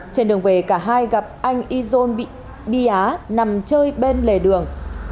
trên đường về cả hai gặp anh izon biá nằm chơi bên lề đường